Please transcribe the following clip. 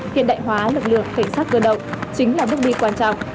hiện đại hóa lực lượng cảnh sát cơ động chính là bước đi quan trọng